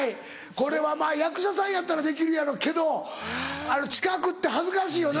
これはまぁ役者さんやったらできるやろうけど近くって恥ずかしいよな。